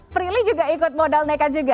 prilly juga ikut modal nekat juga